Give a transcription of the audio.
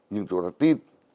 nhưng chúng ta tin